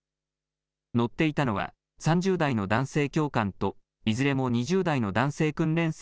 乗っていたのは３０代の男性教官といずれも２０代の男性訓練生